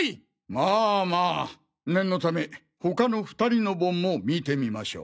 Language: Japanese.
まぁまぁ念のため他の２人の盆も見てみましょう。